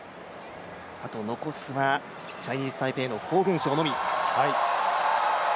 あと残すはチャイニーズタイペイのコウ・ゲンショウのみ。